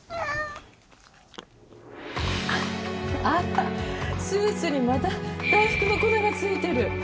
あらスーツにまた大福の粉が付いてる。